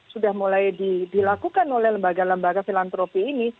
sudah mulai dilakukan oleh lembaga lembaga filantropi ini